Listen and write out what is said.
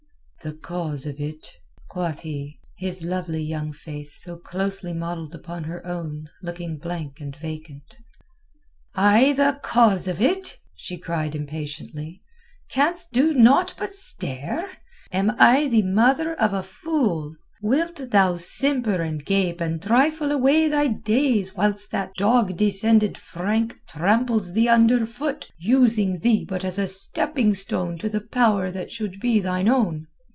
"The cause of it?" quoth he, his lovely young face, so closely modelled upon her own, looking blank and vacant. "Ay, the cause of it," she cried impatiently. "Canst do naught but stare? Am I the mother of a fool? Wilt thou simper and gape and trifle away thy days whilst that dog descended Frank tramples thee underfoot, using thee but as a stepping stone to the power that should be thine own?